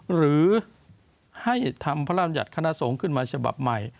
หรือให้ทำพระรำยัติคณะสงฆ์ขึ้นมาฉบับใหม่